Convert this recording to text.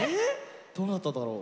どなただろう？